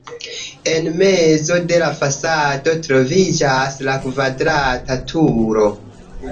En mezo de la fasado troviĝas la kvadrata turo.